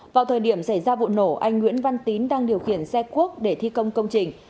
vào thời điểm xảy ra vụ nổ anh nguyễn văn tín đang điều khiển xe cuốc để thi công công trình